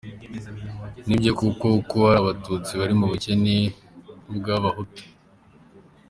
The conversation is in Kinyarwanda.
Ni byo koko ko hari abatutsi bari mu bukene nk’ubw’abahutu.